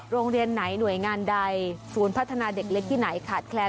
โรงเรียนไหนหน่วยงานใดศูนย์พัฒนาเด็กเล็กที่ไหนขาดแคลน